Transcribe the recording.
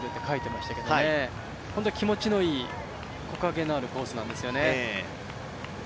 本当、気持ちのいい木陰のあるコースなんですよね。